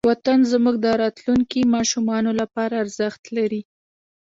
وطن زموږ د راتلونکې ماشومانو لپاره ارزښت لري.